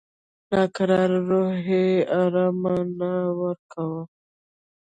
ناکراره روح یې آرام نه ورکاوه.